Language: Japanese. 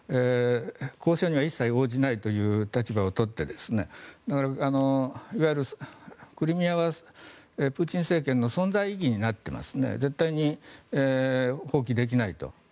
交渉には一切応じないという立場を取っていわゆる、クリミアはプーチン政権の存在意義になっています絶対に放棄できないと。